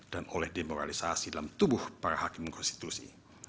dan oleh demoralisasi dalam tubuh para hakim konstitusi